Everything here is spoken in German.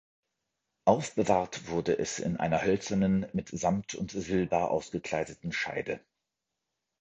Aufbewahrt wurde es in einer hölzernen mit Samt und Silber ausgekleideten Scheide.